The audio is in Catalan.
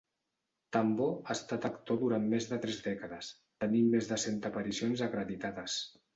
Tambor ha estat actor durant més de tres dècades, tenint més de cent aparicions acreditades.